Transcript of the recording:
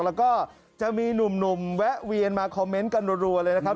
แล้วก็จะมีหนุ่มแวะเวียนมาคอมเมนต์กันรัวเลยนะครับ